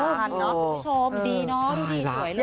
คุณผู้ชมดีเนอะดูดีสวยเลย